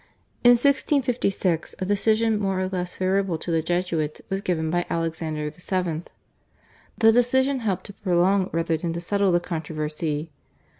In 1656 a decision more or less favourable to the Jesuits was given by Alexander VII. The decision helped to prolong rather than to settle the controversy.